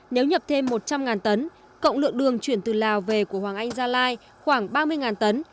nếu nhập thêm một trăm linh tấn cộng lượng đường chuyển từ lào về của hoàng anh gia lai khoảng ba mươi tấn